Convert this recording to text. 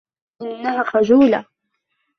انها خجولة.